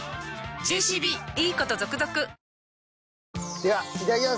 ではいただきます。